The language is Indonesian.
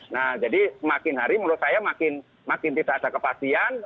nah jadi makin hari menurut saya makin tidak ada kepastian